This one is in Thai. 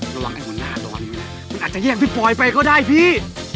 ระวังไอนาตอนนี้มันอาจจะแยกพี่ปอยไปก็ได้พี่